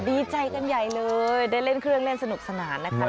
ดีใจกันใหญ่เลยได้เล่นเครื่องเล่นสนุกสนานนะคะ